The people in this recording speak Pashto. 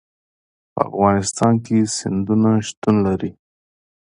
په افغانستان کې سیندونه شتون لري.